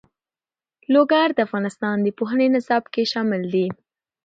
لوگر د افغانستان د پوهنې نصاب کې شامل دي.